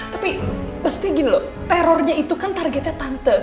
tapi terornya itu kan targetnya tanta